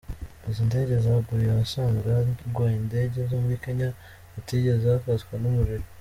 Izi ndege zaguye ahasanzwe hagwa indege zo muri Kenya hatigeze hafatwa n’umuriro.